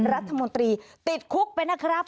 รัฐมนตรีติดคุกไปนะครับ